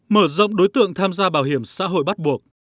mở rộng đối tượng tham gia bảo hiểm xã hội bắt buộc